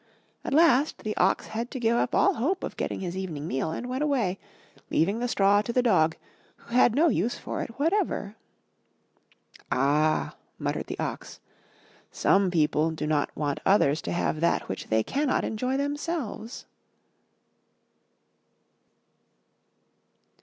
At last the Ox had to give up all hope of getting his evening meal and went away, leaving the straw to the Dog who had no use for it whatever. ''Ah," muttered the Ox, "some people do not want others to have that which they cannot enjoy them selves."